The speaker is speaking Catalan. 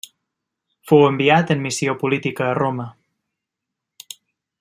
Fou enviat en missió política a Roma.